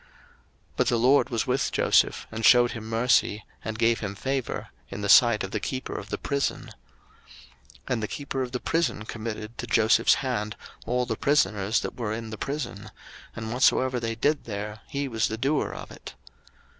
01:039:021 But the LORD was with Joseph, and shewed him mercy, and gave him favour in the sight of the keeper of the prison. 01:039:022 And the keeper of the prison committed to Joseph's hand all the prisoners that were in the prison; and whatsoever they did there, he was the doer of it.